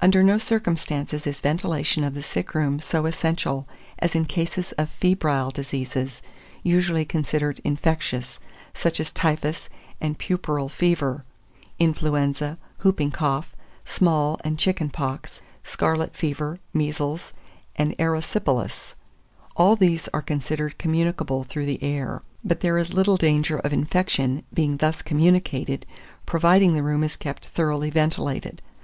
2420. Under no circumstances is ventilation of the sick room so essential as in cases of febrile diseases, usually considered infectious; such as typhus and puerperal fevers, influenza, hooping cough, small and chicken pox, scarlet fever, measles, and erysipelas: all these are considered communicable through the air; but there is little danger of infection being thus communicated, provided the room is kept thoroughly ventilated.